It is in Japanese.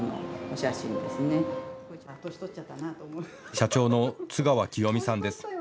社長の津川清美さんです。